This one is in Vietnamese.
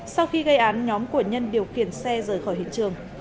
sau khi gây án nhóm của nhân điều khiển xe rời khỏi hiện trường